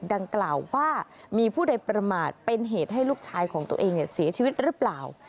ดังกล่าวว่ามีผู้ใดประมาทเป็นเหตุให้ลูกชายของตัวเองเสียชีวิตหรือเปล่า